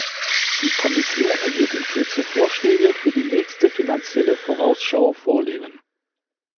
Die Kommission wird in Kürze Vorschläge für die nächste Finanzielle Vorausschau vorlegen.